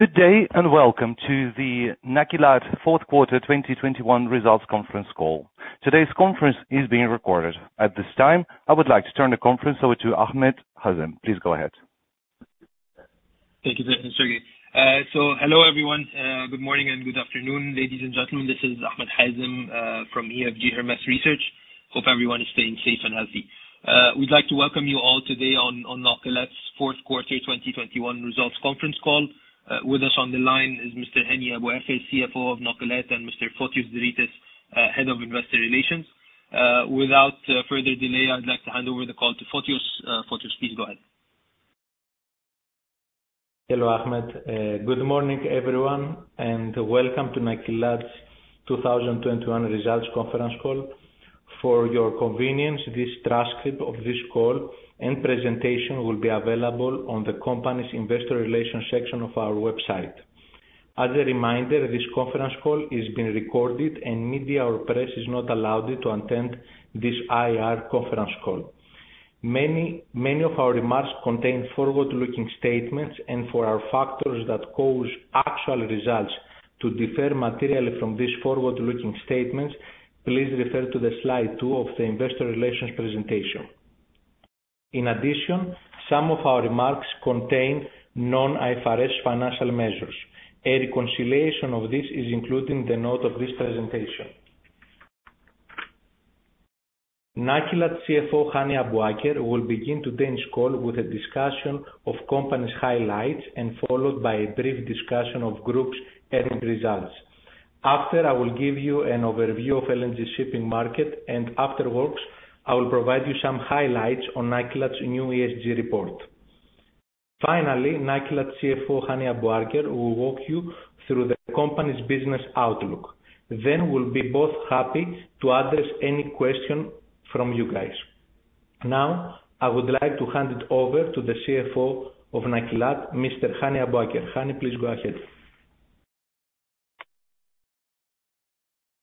Good day, and welcome to the Nakilat fourth quarter 2021 results conference call. Today's conference is being recorded. At this time, I would like to turn the conference over to Ahmed Hazem. Please go ahead. Thank you, sir. Hello, everyone. Good morning and good afternoon, ladies and gentlemen. This is Ahmed Hazem from EFG Hermes Research. Hope everyone is staying safe and healthy. We'd like to welcome you all today on Nakilat's fourth quarter 2021 results conference call. With us on the line is Mr. Hani Abuaker, CFO of Nakilat, and Mr. Fotios Zeritis, Head of Investor Relations. Without further delay, I'd like to hand over the call to Fotios. Fotios, please go ahead. Hello, Ahmed. Good morning, everyone, and welcome to Nakilat's 2021 results conference call. For your convenience, this transcript of this call and presentation will be available on the company's investor relations section of our website. As a reminder, this conference call is being recorded and media or press is not allowed to attend this IR conference call. Many of our remarks contain forward-looking statements, and for our factors that cause actual results to differ materially from these forward-looking statements, please refer to slide 2 of the investor relations presentation. In addition, some of our remarks contain non-IFRS financial measures. A reconciliation of this is included in the note of this presentation. Nakilat CFO Hani Abuaker will begin today's call with a discussion of company's highlights, followed by a brief discussion of group's earnings results. After I will give you an overview of LNG shipping market, and afterwards, I will provide you some highlights on Nakilat's new ESG report. Finally, Nakilat CFO, Hani Abuaker, will walk you through the company's business outlook. Then we'll be both happy to address any question from you guys. Now, I would like to hand it over to the CFO of Nakilat, Mr. Hani Abuaker. Hani, please go ahead.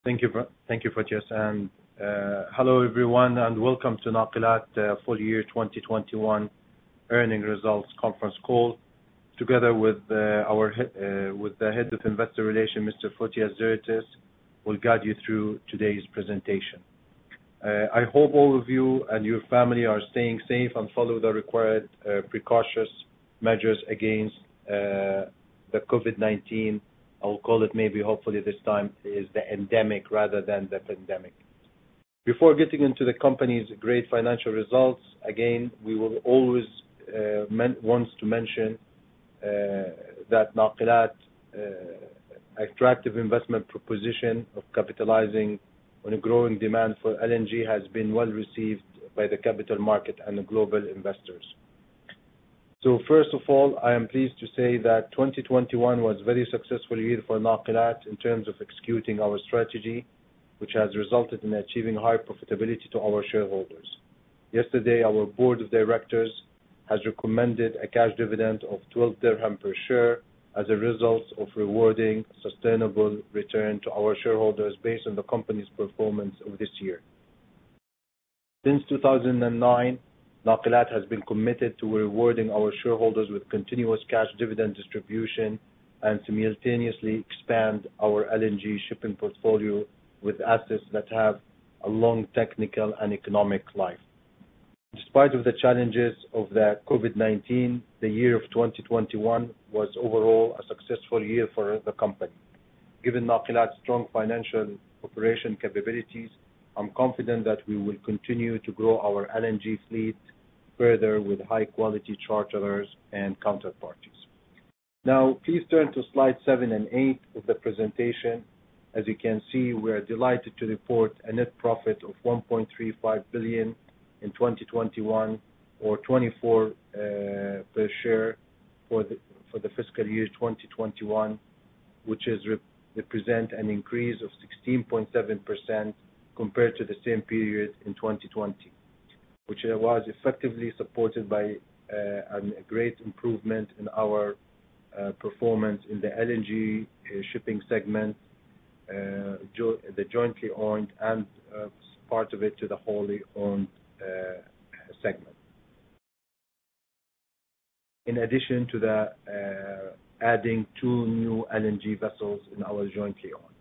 Thank you, Fotios. Hello, everyone, and welcome to Nakilat full year 2021 earnings results conference call. Together with our Head of Investor Relations, Mr. Fotios Zeritis, we'll guide you through today's presentation. I hope all of you and your family are staying safe and follow the required precautionary measures against the COVID-19. I will call it maybe hopefully this time is the endemic rather than the pandemic. Before getting into the company's great financial results, again, we will always want to mention that Nakilat attractive investment proposition of capitalizing on a growing demand for LNG has been well received by the capital market and the global investors. First of all, I am pleased to say that 2021 was a very successful year for Nakilat in terms of executing our strategy, which has resulted in achieving high profitability to our shareholders. Yesterday, our board of directors has recommended a cash dividend of 12 QAR per share as a result of rewarding sustainable return to our shareholders based on the company's performance of this year. Since 2009, Nakilat has been committed to rewarding our shareholders with continuous cash dividend distribution and simultaneously expand our LNG shipping portfolio with assets that have a long technical and economic life. Despite of the challenges of the COVID-19, the year of 2021 was overall a successful year for the company. Given Nakilat's strong financial operation capabilities, I'm confident that we will continue to grow our LNG fleet further with high quality charterers and counterparties. Now please turn to slides 7 and 8 of the presentation. As you can see, we are delighted to report a net profit of 1.35 billion or 0.24 per share for the fiscal year 2021, which represents an increase of 16.7% compared to the same period in 2020. Which was effectively supported by a great improvement in our performance in the LNG shipping segment, the jointly owned and part of it to the wholly owned segment. In addition to adding 2 new LNG vessels in our jointly owned.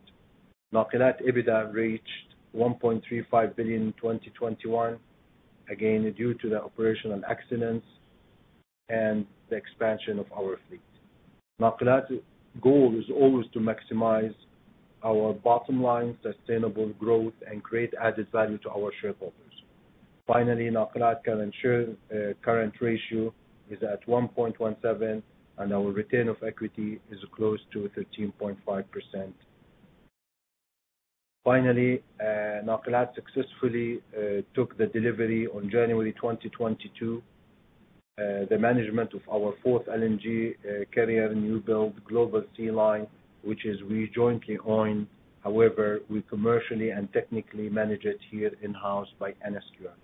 Nakilat EBITDA reached 1.35 billion in 2021, again, due to the operational excellence and the expansion of our fleet. Nakilat's goal is always to maximize our bottom line sustainable growth and create added value to our shareholders. Finally, Nakilat current ratio is at 1.17, and our return on equity is close to 13.5%. Finally, Nakilat successfully took the delivery on January 2022 of our fourth LNG carrier newbuild Global Sealine, which we jointly own. However, we commercially and technically manage it here in-house by NSQL.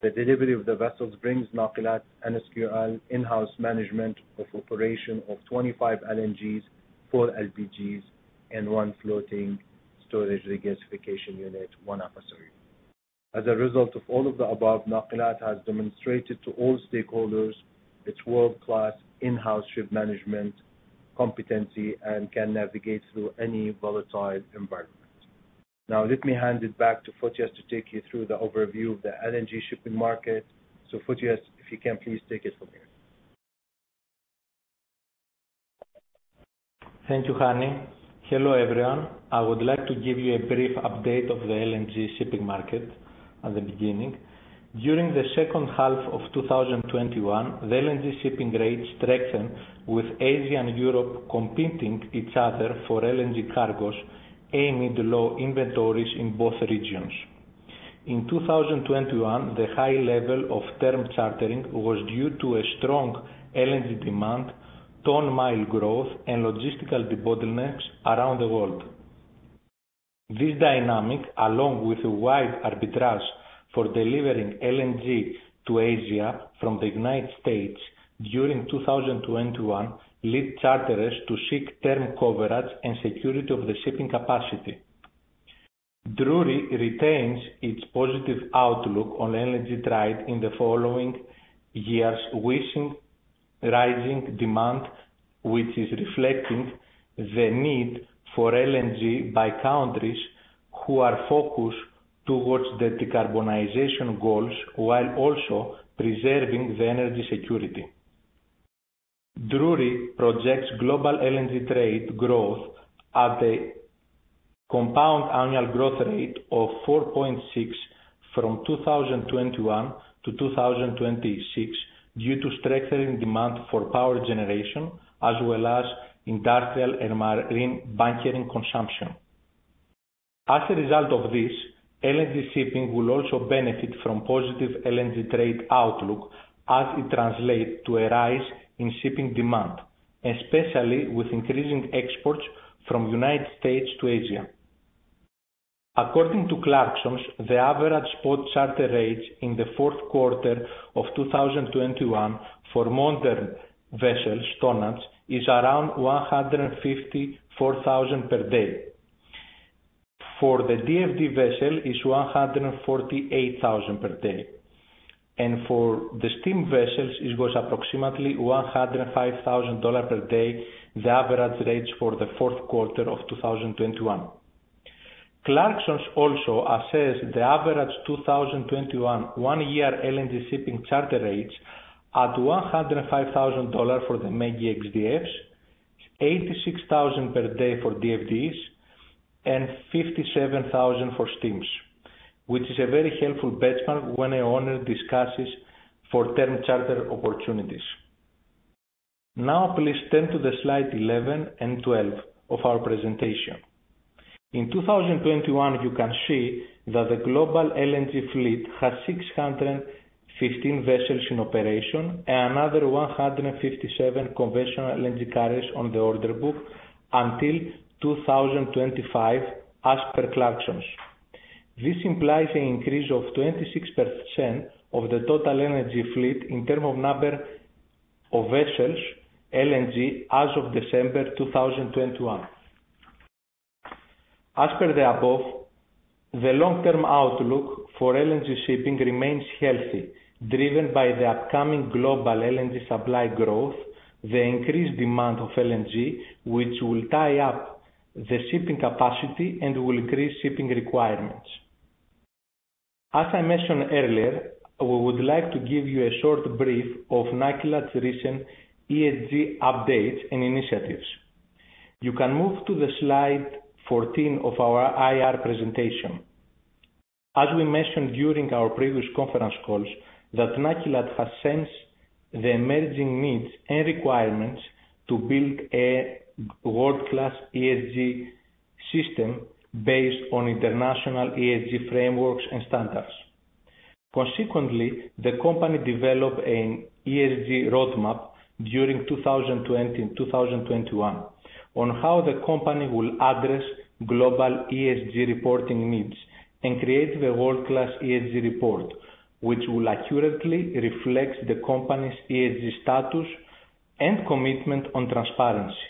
The delivery of the vessels brings Nakilat NSQL in-house management of operation of 25 LNGs, 4 LPGs and 1 floating storage regasification unit, 1 FSRU. As a result of all of the above, Nakilat has demonstrated to all stakeholders its world-class in-house ship management competency and can navigate through any volatile environment. Now, let me hand it back to Fotios to take you through the overview of the LNG shipping market. Fotios, if you can please take it from here. Thank you, Hani. Hello, everyone. I would like to give you a brief update of the LNG shipping market at the beginning. During the second half of 2021, the LNG shipping rates strengthened with Asia and Europe competing with each other for LNG cargos, amid low inventories in both regions. In 2021, the high level of term chartering was due to a strong LNG demand, ton-mile growth, and logistical bottlenecks around the world. This dynamic, along with a wide arbitrage for delivering LNG to Asia from the United States during 2021, lead charterers to seek term coverage and security of the shipping capacity. Drewry retains its positive outlook on LNG trade in the following years, with rising demand, which is reflecting the need for LNG by countries who are focused towards the decarbonization goals, while also preserving the energy security. Drewry projects global LNG trade growth at a compound annual growth rate of 4.6% from 2021 to 2026 due to strengthening demand for power generation as well as industrial and marine bunkering consumption. As a result of this, LNG shipping will also benefit from positive LNG trade outlook as it translates to a rise in shipping demand, especially with increasing exports from United States to Asia. According to Clarksons, the average spot charter rates in the fourth quarter of 2021 for modern vessels tonnage is around $154,000 per day. For the DFDE vessel, is $148,000 per day. For the steam vessels, it was approximately $105,000 per day, the average rates for the fourth quarter of 2021. Clarksons also assess the average 2021 one-year LNG shipping charter rates at $105,000 for the ME-GI/X-DFs, $86,000 per day for DFDEs, and $57,000 for steams, which is a very helpful benchmark when an owner discusses term charter opportunities. Please turn to slide 11 and 12 of our presentation. In 2021, you can see that the global LNG fleet has 615 vessels in operation and another 157 conventional LNG carriers on the order book until 2025 as per Clarksons. This implies an increase of 26% of the total LNG fleet in terms of number of vessels LNG as of December 2021. As per the above, the long-term outlook for LNG shipping remains healthy, driven by the upcoming global LNG supply growth, the increased demand for LNG, which will tie up the shipping capacity and will increase shipping requirements. As I mentioned earlier, we would like to give you a short brief of Nakilat's recent ESG updates and initiatives. You can move to the slide 14 of our IR presentation. As we mentioned during our previous conference calls, that Nakilat has sensed the emerging needs and requirements to build a world-class ESG system based on international ESG frameworks and standards. Consequently, the company developed an ESG roadmap during 2020 and 2021 on how the company will address global ESG reporting needs and create the world-class ESG report, which will accurately reflect the company's ESG status and commitment on transparency.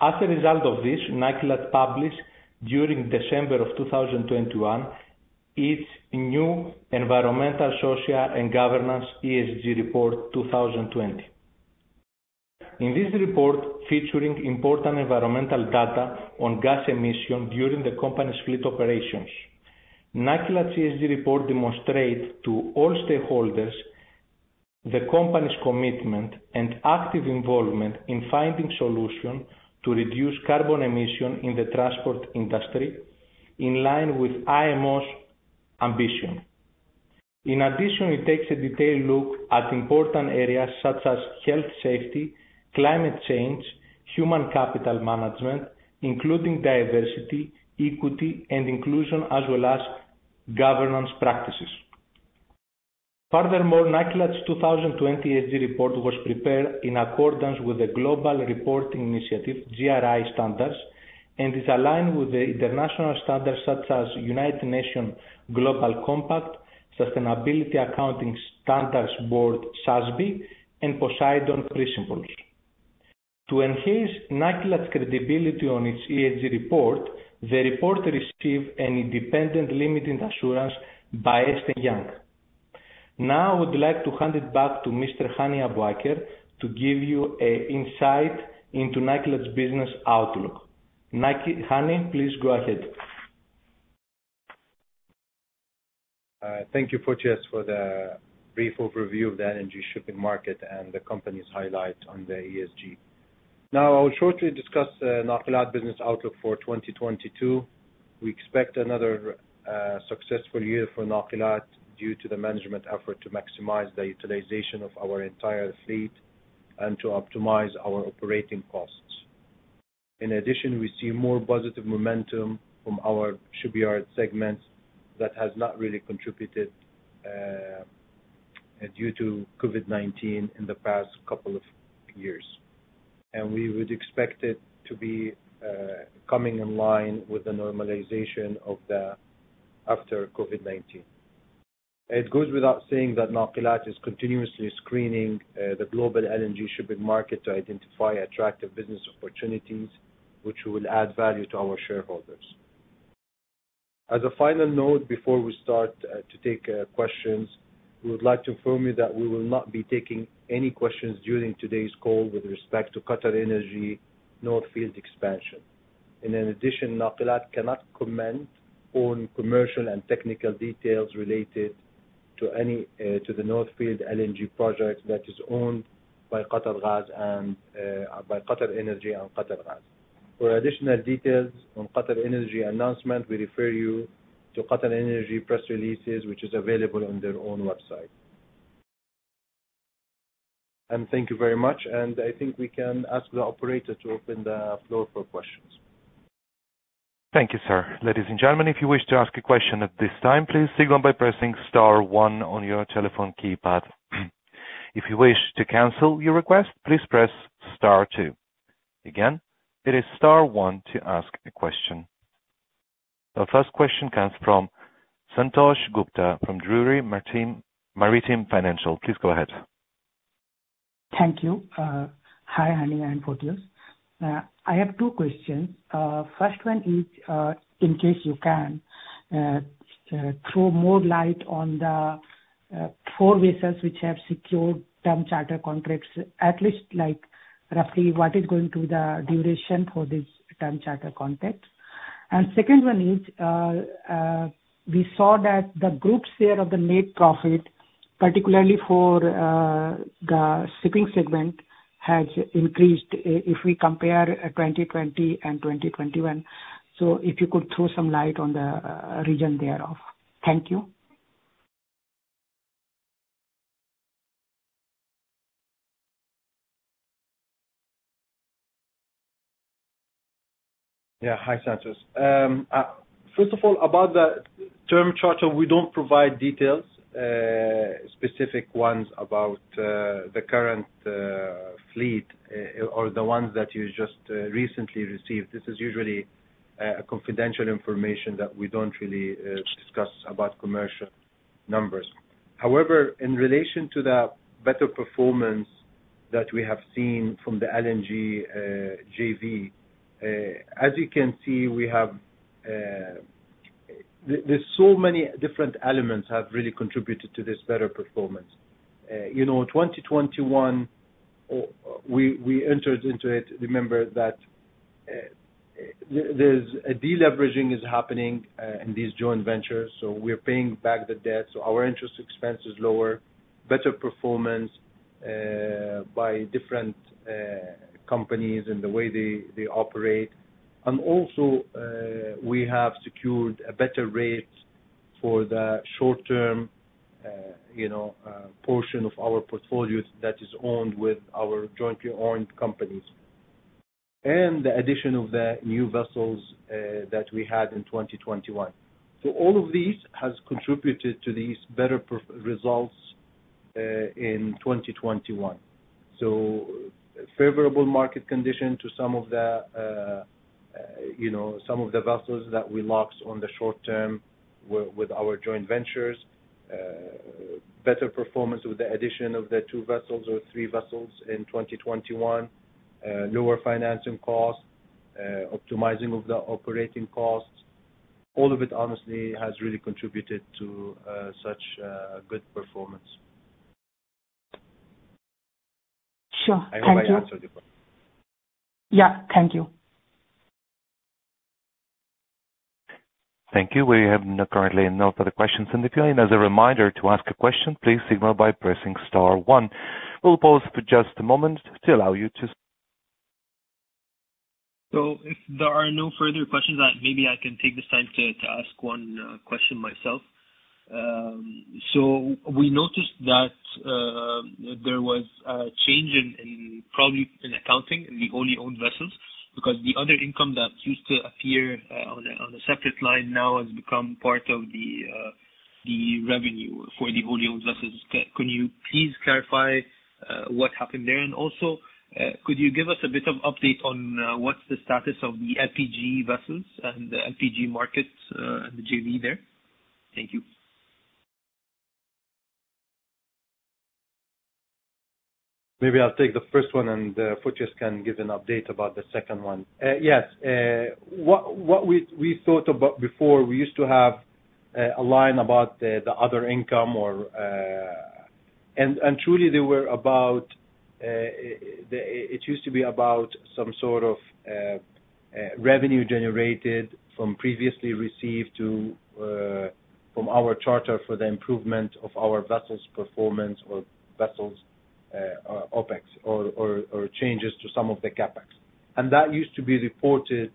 As a result of this, Nakilat published during December 2021 its new environmental, social, and governance ESG report 2020. In this report, featuring important environmental data on gas emission during the company's fleet operations, Nakilat ESG report demonstrates to all stakeholders the company's commitment and active involvement in finding solution to reduce carbon emission in the transport industry in line with IMO's ambition. In addition, it takes a detailed look at important areas such as health safety, climate change, human capital management, including diversity, equity, and inclusion, as well as governance practices. Furthermore, Nakilat's 2020 ESG report was prepared in accordance with the Global Reporting Initiative, GRI standards, and is aligned with the international standards such as United Nations Global Compact, Sustainability Accounting Standards Board, SASB, and Poseidon Principles. To enhance Nakilat's credibility on its ESG report, the report received an independent limited assurance by Ernst & Young. Now, I would like to hand it back to Mr. Hani Abuaker to give you an insight into Nakilat's business outlook. Hani, please go ahead. Thank you, Fotios, for the brief overview of the LNG shipping market and the company's highlights on the ESG. Now, I will shortly discuss Nakilat business outlook for 2022. We expect another successful year for Nakilat due to the management effort to maximize the utilization of our entire fleet and to optimize our operating costs. In addition, we see more positive momentum from our shipyard segments that has not really contributed due to COVID-19 in the past couple of years. We would expect it to be coming in line with the normalization after COVID-19. It goes without saying that Nakilat is continuously screening the global LNG shipping market to identify attractive business opportunities, which will add value to our shareholders. As a final note, before we start to take questions, we would like to inform you that we will not be taking any questions during today's call with respect to QatarEnergy North Field expansion. In addition, Nakilat cannot comment on commercial and technical details related to the North Field LNG project that is owned by Qatargas and by QatarEnergy and Qatargas. For additional details on QatarEnergy announcement, we refer you to QatarEnergy press releases, which is available on their own website. Thank you very much. I think we can ask the operator to open the floor for questions. The first question comes from Santosh Gupta from Drewry Maritime Financial Research. Please go ahead. Thank you. Hi, Hani and Fotios. I have two questions. First one is, in case you can, throw more light on the 4 vessels which have secured term charter contracts, at least, like, roughly what is going to be the duration for this term charter contract. Second one is, we saw that the group's share of the net profit, particularly for the shipping segment, has increased if we compare 2020 and 2021. If you could throw some light on the reason thereof. Thank you. Yeah. Hi, Santosh. First of all, about the term charter, we don't provide details, specific ones about the current fleet or the ones that you just recently received. This is usually confidential information that we don't really discuss about commercial numbers. However, in relation to the better performance that we have seen from the LNG JV, as you can see, there's so many different elements have really contributed to this better performance. You know, 2021, we entered into it. Remember that there's a deleveraging is happening in these joint ventures, so we're paying back the debt. Our interest expense is lower. Better performance by different companies and the way they operate. We have secured better rates for the short term, you know, portion of our portfolios that is owned with our jointly owned companies. The addition of the new vessels that we had in 2021. All of these has contributed to these better results in 2021. Favorable market condition to some of the, you know, some of the vessels that we lost on the short term with our joint ventures. Better performance with the addition of the two vessels or three vessels in 2021. Lower financing costs, optimizing of the operating costs. All of it honestly has really contributed to such a good performance. Sure. Thank you. I hope I answered your question. Yeah. Thank you. Thank you. We have currently no further questions in the queue. As a reminder, to ask a question, please signal by pressing star one. We'll pause for just a moment to allow you to. If there are no further questions, maybe I can take this time to ask one question myself. We noticed that there was a change in probably accounting in the wholly-owned vessels because the other income that used to appear on a separate line now has become part of the revenue for the wholly-owned vessels. Can you please clarify what happened there? Also, could you give us a bit of update on what's the status of the LPG vessels and the LPG markets, and the JV there? Thank you. Maybe I'll take the first one, and Fotios can give an update about the second one. What we thought about before, we used to have a line about the other income or. Truly, they were about the. It used to be about some sort of revenue generated from previously received to from our charter for the improvement of our vessels performance or vessels or OPEX or changes to some of the CapEx. That used to be reported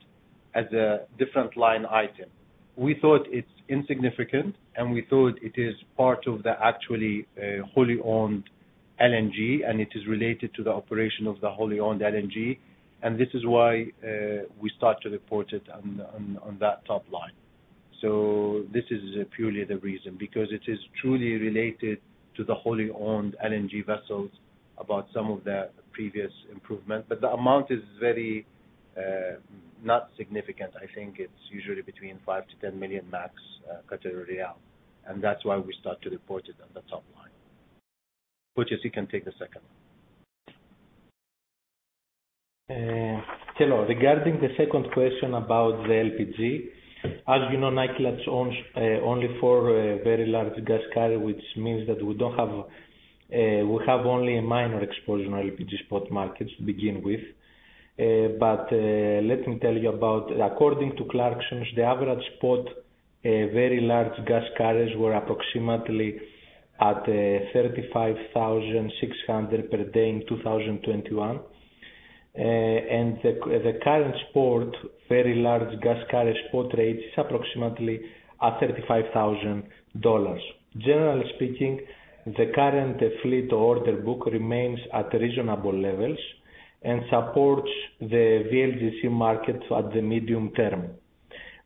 as a different line item. We thought it's insignificant, and we thought it is part of the actually wholly owned LNG, and it is related to the operation of the wholly owned LNG, and this is why we start to report it on that top line. This is purely the reason, because it is truly related to the wholly owned LNG vessels about some of the previous improvement. The amount is very insignificant. I think it's usually between 5 million-10 million max, and that's why we start to report it on the top line. Fotios, you can take the second one. Hello. Regarding the second question about the LPG, as you know, Nakilat owns only four very large gas carrier, which means that we have only a minor exposure on LPG spot markets to begin with. According to Clarksons, the average spot very large gas carriers were approximately at $35,600 per day in 2021. The current spot very large gas carrier spot rate is approximately at $35,000. Generally speaking, the current fleet order book remains at reasonable levels and supports the VLGC market at the medium term.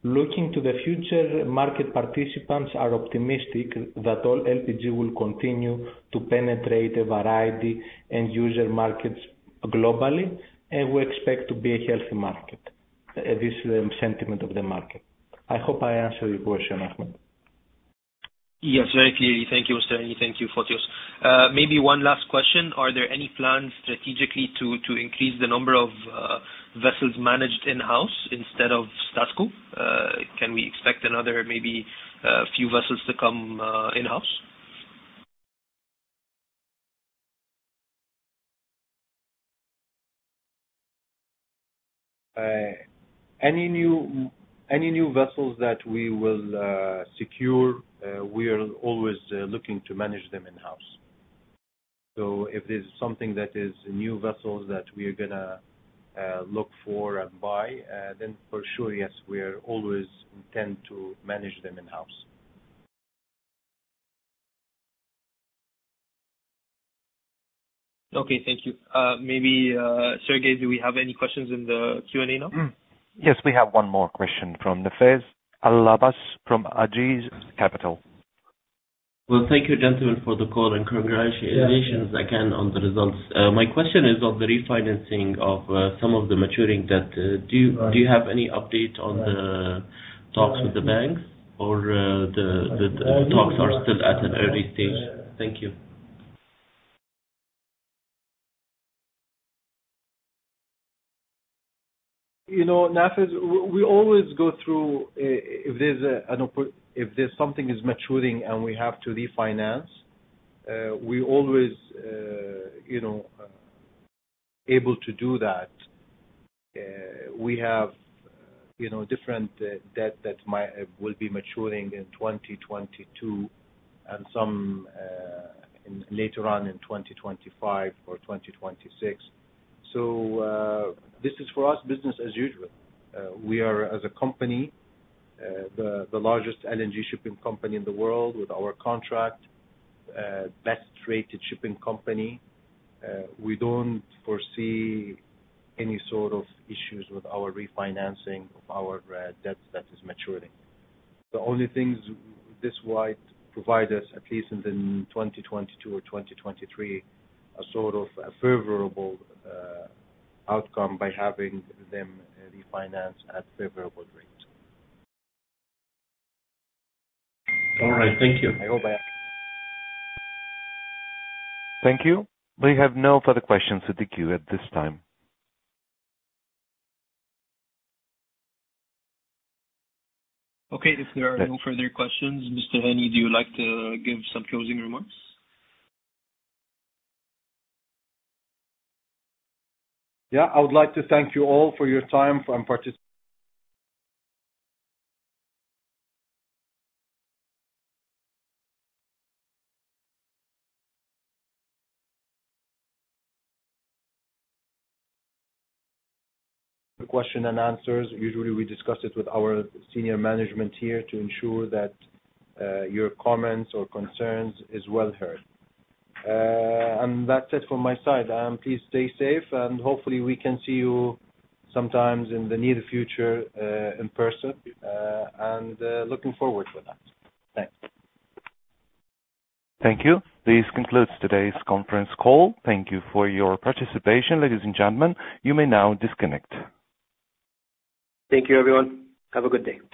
Looking to the future, market participants are optimistic that all LPG will continue to penetrate a variety end user markets globally, and we expect to be a healthy market, this sentiment of the market. I hope I answer your question, Ahmed. Yes, very clearly. Thank you, Mr. Hani. Thank you, Fotios. Maybe one last question. Are there any plans strategically to increase the number of vessels managed in-house instead of status quo? Can we expect another maybe few vessels to come in-house? Any new vessels that we will secure, we are always looking to manage them in-house. If there's something that is new vessels that we are gonna look for and buy, then for sure, yes, we are always intend to manage them in-house. Okay. Thank you. Maybe, Operator, do we have any questions in the Q&A now? Yes, we have one more question from Nafez Alabbas from Ajeez Capital. Well, thank you, gentlemen, for the call, and congratulations again on the results. My question is on the refinancing of some of the maturing debt. Do you have any update on the talks with the banks or the talks are still at an early stage? Thank you. You know, Nafeez, we always go through if there's something is maturing and we have to refinance, we always you know able to do that. We have you know different debt will be maturing in 2022 and some in later on in 2025 or 2026. This is for us, business as usual. We are, as a company, the largest LNG shipping company in the world with our contract best rated shipping company. We don't foresee any sort of issues with our refinancing of our debt that is maturing. The only thing this might provide us, at least in 2022 or 2023, a sort of favorable outcome by having them refinance at favorable rates. All right. Thank you. You're welcome. Thank you. We have no further questions in the queue at this time. Okay. If there are no further questions, Mr. Hani, would you like to give some closing remarks? I would like to thank you all for your time and the questions and answers. Usually, we discuss it with our senior management here to ensure that your comments or concerns is well heard. That's it from my side. Please stay safe, and hopefully we can see you sometime in the near future in person, and looking forward for that. Thanks. Thank you. This concludes today's conference call. Thank you for your participation. Ladies and gentlemen, you may now disconnect. Thank you, everyone. Have a good day.